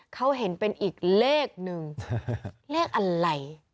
เขาเห็นเป็นอีกเลขหนึ่งเลขอะไร